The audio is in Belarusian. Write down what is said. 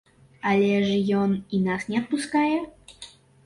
Але ж ён і нас не адпускае?